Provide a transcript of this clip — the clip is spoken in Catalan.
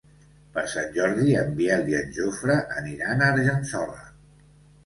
Per Sant Jordi en Biel i en Jofre aniran a Argençola.